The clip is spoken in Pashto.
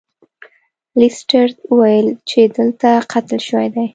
لیسټرډ وویل چې دلته قتل شوی دی.